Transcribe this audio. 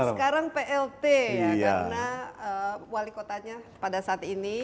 sekarang plt ya karena wali kotanya pada saat ini